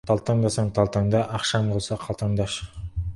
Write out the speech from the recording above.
Талтаңдасаң талтаңда, ақшаң болса қалтаңда.